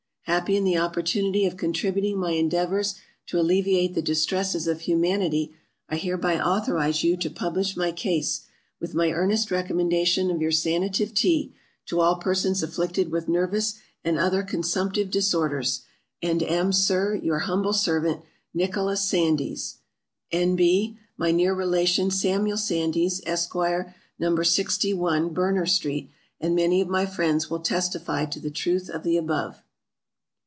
Happy in the opportunity of contributing my endeavours to alleviate the distresses of humanity, I hereby authorise you to publish my case, with my earnest recommendation of your Sanative Tea, to all persons afflicted with nervous and other consumptive disorders, and am, Sir, your humble servant, NICHOLAS SANDYS. N.B. My near relation SAMUEL SANDYS, Esq. No. 61, Berner street, and many of my friends, will testify to the truth of the above.